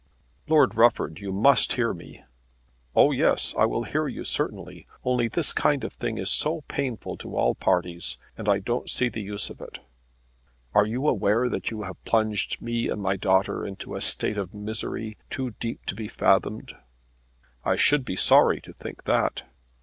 "Lord Rufford, you must hear me." "Oh yes; I will hear you certainly, only this kind of thing is so painful to all parties, and I don't see the use of it." "Are you aware that you have plunged me and my daughter into a state of misery too deep to be fathomed?" "I should be sorry to think that."